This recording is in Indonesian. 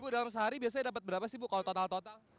bu dalam sehari biasanya dapat berapa sih bu kalau total total